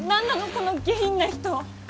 この下品な人。